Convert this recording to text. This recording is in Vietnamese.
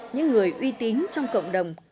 những người uy tín trong cộng đồng